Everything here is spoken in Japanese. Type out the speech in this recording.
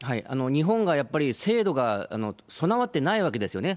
日本がやっぱり制度が備わっていないわけですよね。